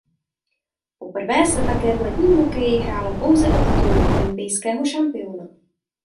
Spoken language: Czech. Poprvé se také v ledním hokeji hrálo pouze o titul olympijského šampiona.